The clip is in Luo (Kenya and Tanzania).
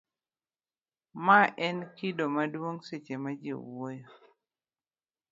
mae en kido maduong' seche ma ji wuoyo